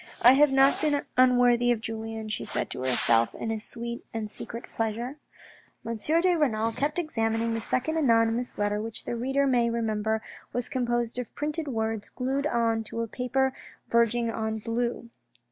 " I have not been unworthy of Julien," she said to herself with a sweet and secret pleasure. M. de Renal kept examining the second anonymous letter which the reader may remember was composed of printed words glued on to a paper verging on blue.